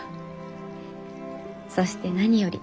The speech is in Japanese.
そして何より。